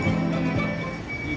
di dalam atraksinya